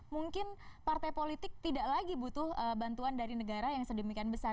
mungkin partai politik tidak lagi butuh bantuan dari negara yang sedemikian besar